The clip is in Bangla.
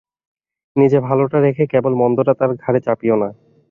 নিজে ভালটা রেখে কেবল মন্দটা তাঁর ঘাড়ে চাপিও না।